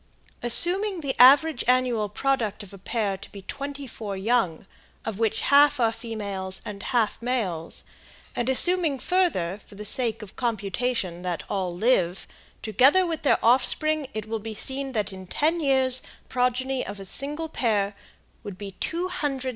Assuming the average annual product of a pair to be twenty four young, of which half are females and half males, and assuming further, for the sake of computation, that all live, together with their offspring, it will be seen that in ten years the progeny of a single pair would be 275,716,983,698.